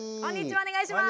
お願いします。